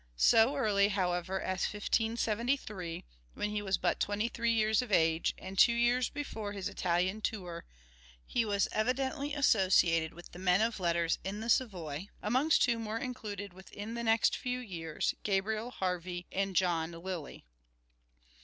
So early, however, as 1573, when he was but twenty three years of age, and two years before his Italian tour, he was evidently associated with the men ot letters in the Savoy, amongst whom were included within the next few years, Gabriel Harvey and John Lyly.